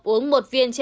uống một viên trên lần